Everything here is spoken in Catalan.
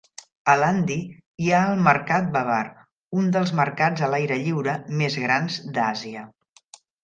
A Landhi hi ha el mercat Babar, un dels mercats a l'aire lliure més grans d'Àsia.